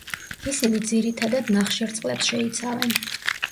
ისინი ძირითადად ნახშირწყლებს შეიცავენ.